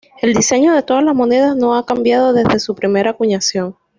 El diseño de todas las monedas no ha cambiado desde su primera acuñación.